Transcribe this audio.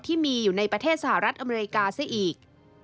ที่มีอยู่ในประเทศสหรัฐอเมริกาซะอีก